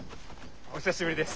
お久しぶりです。